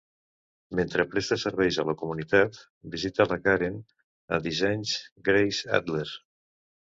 Mentre presta serveis a la comunitat, visita la Karen a Dissenys Grace Adler.